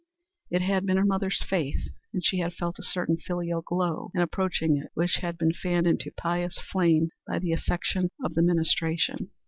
It had been her mother's faith, and she had felt a certain filial glow in approaching it, which had been fanned into pious flame by the effect of the ministration.